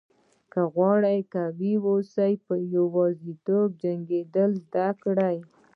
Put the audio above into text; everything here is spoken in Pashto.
که غواړئ قوي واوسئ په یوازیتوب جنګېدل زده کړئ.